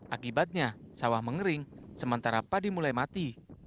akibatnya sawah mengering sementara padi mulai mati